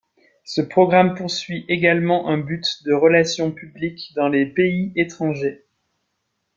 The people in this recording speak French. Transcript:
Ce programme poursuit également un but de relations publiques dans les pays étrangers.